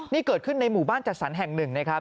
นี่เกิดขึ้นในหมู่บ้านจัดสรรแห่งหนึ่งนะครับ